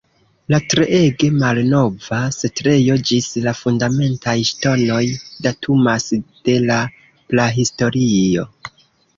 La treege malnova setlejo ĝis la fundamentaj ŝtonoj datumas de la prahistorio.